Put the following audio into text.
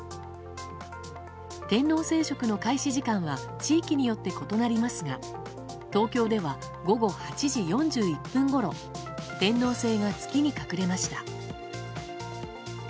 天王星食の開始時間は地域によって異なりますが東京では午後８時４１分ごろ天王星が月に隠れました。